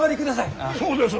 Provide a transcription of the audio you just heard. そうです。